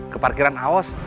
ke parkiran aos